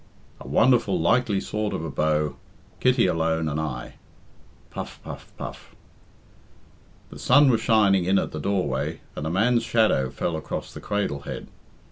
A wonderful likely sort of a beau, Kitty alone and I!" (Puff, puff, puff.) The sun was shining in at the doorway, and a man's shadow fell across the cradle head.